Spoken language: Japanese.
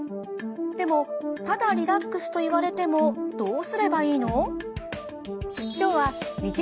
でもただリラックスと言われてもどうすればいいの？